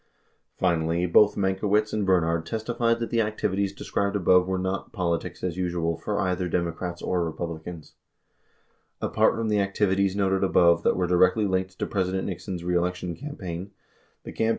92 Finally, both Mankiewicz and Bernhard testified that the activities described above were not "politics as usual" for either Democrats or Republicans. 93 Apart from the activities noted above that were directly linked to President Nixon's reelection campaign, the campaigns of Democratic 88 11 Hearings 4603.